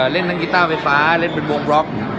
เล่นทั้งกิต้าร์เวฟซ้าเล่นเป็นวงหล็อค